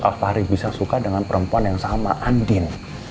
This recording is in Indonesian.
al fahri bisa suka dengan perempuan yang sama andien